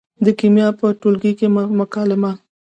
د کیمیا په ټولګي کې مکالمه